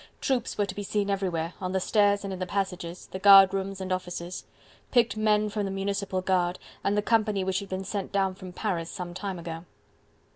Troops were to be seen everywhere, on the stairs and in the passages, the guard rooms and offices: picked men from the municipal guard, and the company which had been sent down from Paris some time ago.